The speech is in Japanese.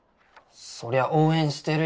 そりゃあ応援してるよ